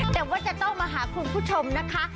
แต่ว่าจะต้องมาหาคุณผู้ชมนะคะ